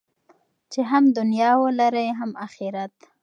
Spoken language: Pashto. چې هم دنیا ولرئ هم اخرت.